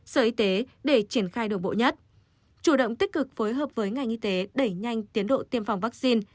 sở y tế để triển khai đồng bộ nhất chủ động tích cực phối hợp với ngành y tế đẩy nhanh tiến độ tiêm phòng vaccine